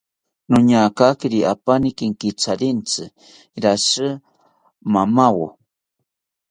Noñagakiri apaani kenkitharentzi rashi mamawo